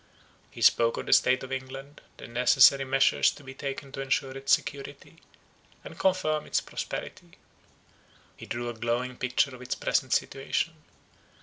He spoke of the state of England; the necessary measures to be taken to ensure its security, and confirm its prosperity. He drew a glowing picture of its present situation.